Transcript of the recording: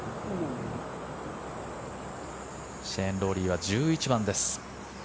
シェーン・ロウリーは１１番です。